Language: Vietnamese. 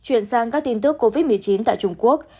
chuyển sang các tin tức covid một mươi chín tại trung quốc